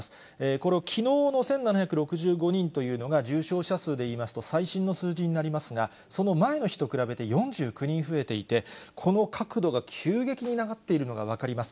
これ、きのうの１７６５人というのが、重症者数でいいますと最新の数字になりますが、その前の日と比べて４９人増えていて、この角度が急激に上がっているのが分かります。